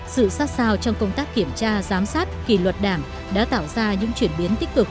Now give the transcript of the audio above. sự sát sao trong công tác kiểm tra giám sát kỳ luật đảng đã tạo ra những chuyển biến tích cực